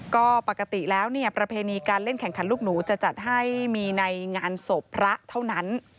ก็ปกติแล้วเนี่ยประเพณีการเล่นแข่งขันลูกหนูจะจัดให้มีในงานศพพระเท่านั้น